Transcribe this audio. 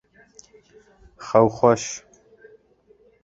Xew xweş!